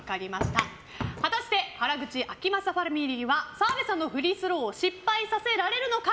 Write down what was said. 果たして原口あきまさファミリーは澤部さんのフリースローを失敗させられるのか。